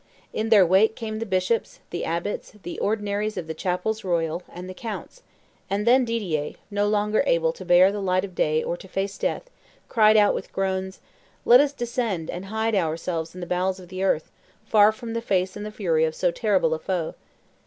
In their wake came the bishops, the abbots, the ordinaries of the chapels royal, and the counts; and then Didier, no longer able to bear the light of day or to face death, cried out with groans, 'Let us descend and hide ourselves in the bowels of the earth, far from the face and the fury of so terrible a foe.